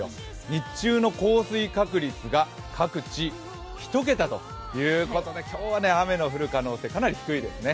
日中の降水確率が各地１桁ということで、今日は雨の降る可能性かなり低いですね。